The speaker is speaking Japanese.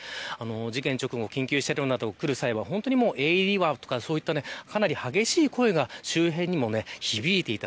事件直後、緊急車両などが来る際はＡＥＤは、とかかなり激しい声が周辺にも響いていた。